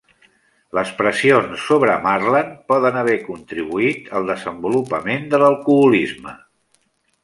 Les pressions sobre Marland poden haver contribuït al desenvolupament de l'alcoholisme.